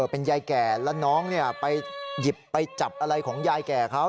เป็นยายแก่แล้วน้องไปหยิบไปจับอะไรของยายแก่เขา